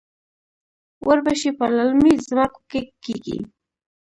وربشې په للمي ځمکو کې کیږي.